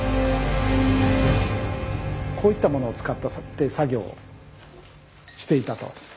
こういったものを使って作業をしていたと。